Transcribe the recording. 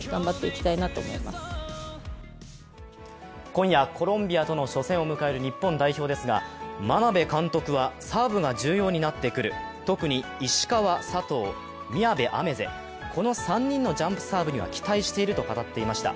今夜コロンビアとの初戦を迎える日本代表ですが眞鍋監督はサーブが重要になってくる、特に石川、佐藤、宮部愛芽世、この３人のジャンプサーブには期待していると語っていました。